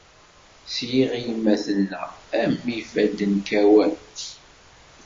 Sliɣ i yemma tenna, a mmi ifadden kkawen.